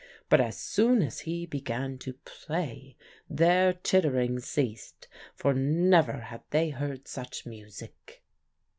But as soon as he began to play, their tittering ceased, for never had they heard such music.